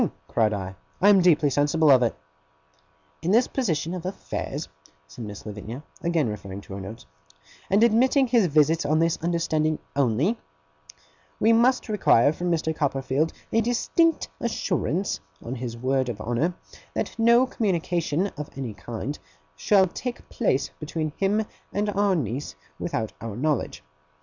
cried I. 'I am deeply sensible of it.' 'In this position of affairs,' said Miss Lavinia, again referring to her notes, 'and admitting his visits on this understanding only, we must require from Mr. Copperfield a distinct assurance, on his word of honour, that no communication of any kind shall take place between him and our niece without our knowledge.